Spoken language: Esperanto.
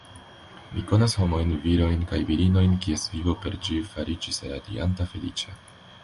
Mi konas homojn, virojn kaj virinojn, kies vivo per ĝi fariĝis radianta, feliĉa.